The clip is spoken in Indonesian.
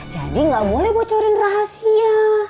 jadi gak boleh bocorin rahasia